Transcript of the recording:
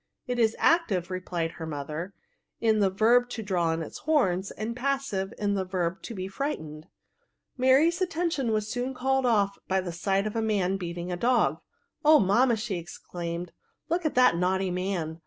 It is active," replied her mother, " in the verb to draw in its horns, and passive, in the verb to be frightened." Mary's attention was soon after called off by the sight of a man beating a dog. Oh, mamma !" exclaimed she, " look at that naughty man.